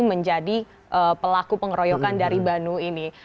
menjadi pelaku pengeroyokan dari banu ini